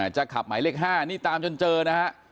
จะขับหมายเลข๕นี่ตามจนเจอนะฮะ